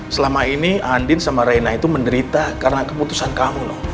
selama ini andin sama raina itu menderita karena keputusan kamu loh